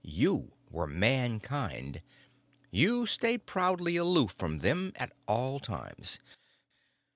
You were Mankind. You stayed proudly aloof from them at all times.